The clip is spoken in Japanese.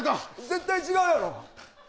絶対違うやろ！